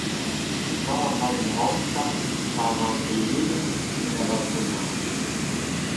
Si trova in Valle d'Aosta tra la Valpelline e la Valtournenche.